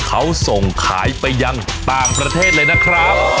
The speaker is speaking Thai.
เขาส่งขายไปยังต่างประเทศเลยนะครับ